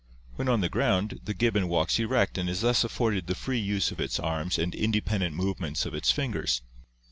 When on the ground the gibbon walks erect and is thus afforded the free use of its arms and independent movements of its fingers.